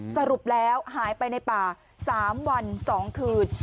สรุปแล้วหายไปในป่า๓วัน๒คืน